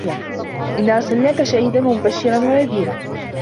إِنّا أَرسَلناكَ شاهِدًا وَمُبَشِّرًا وَنَذيرًا